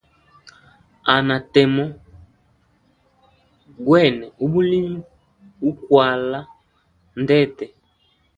Hanha temo gwene ubulimi uklwala ndete.